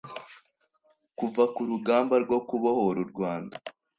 Kuva ku rugamba rwo kubohora u Rwanda